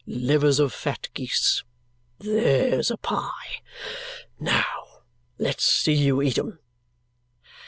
Livers of fat geese. There's a pie! Now let's see you eat 'em."